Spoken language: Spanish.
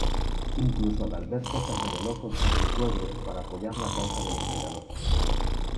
Incluso Adalberto se rebeló contra su suegro para apoyar la causa del emperador.